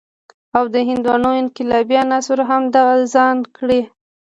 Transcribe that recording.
او د هندوانو انقلابي عناصر هم د ځان کړي.